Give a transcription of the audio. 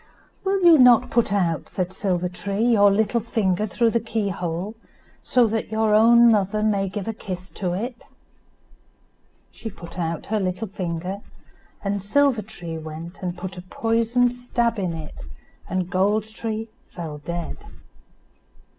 "Will you not put out," said Silver tree, "your little finger through the key hole, so that your own mother may give a kiss to it?" She put out her little finger, and Silver tree went and put a poisoned stab in it, and Gold tree fell dead.